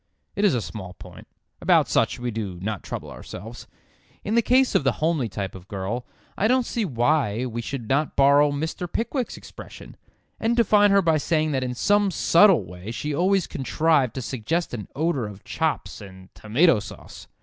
It is a small point; about such we do not trouble ourselves. In the case of the homely type of girl I don't see why we should not borrow Mr. Pickwick's expression, and define her by saying that in some subtle way she always contrived to suggest an odour of chops and tomato sauce.